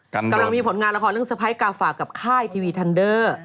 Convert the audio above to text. กำลังมีผลงานละครเรื่องสะพ้ายกาฝากกับค่ายทีวีทันเดอร์